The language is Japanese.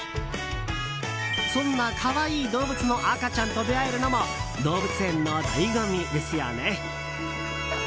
そんな可愛い動物の赤ちゃんと出会えるのも動物園の醍醐味ですよね。